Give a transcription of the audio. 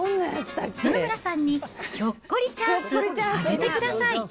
野々村さんにひょっこりチャンスあげてください。